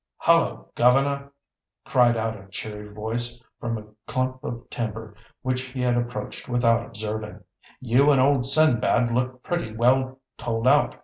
"Hallo, governor!" cried out a cheery voice from a clump of timber which he had approached without observing, "you and old Sindbad look pretty well told out!